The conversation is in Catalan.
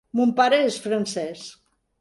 Mon pare és francés.